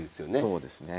そうですね。